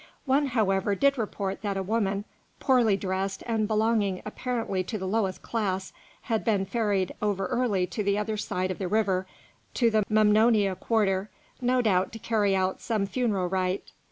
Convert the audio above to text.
One, however, did report that a woman, poorly dressed and belonging apparently to the lowest class, had been ferried over early to the other side of the river to the Memnonia quarter, no doubt to carry out some funeral rite.